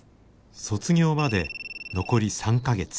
卒業まで残り３か月。